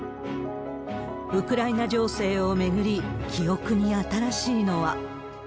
ウクライナ情勢を巡り、記憶に新しいのは。